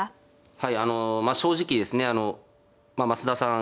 はいあのまあ正直ですね増田さん